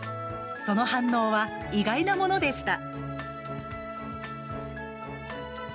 その反応は意外なものでした。